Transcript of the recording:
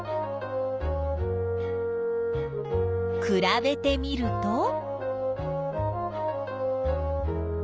くらべてみると？